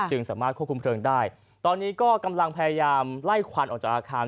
สามารถควบคุมเพลิงได้ตอนนี้ก็กำลังพยายามไล่ควันออกจากอาคาร